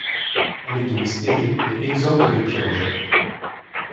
Elle est donc stérile et exempte de pyrogènes.